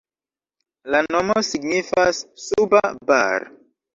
La nomo signifas suba Bar.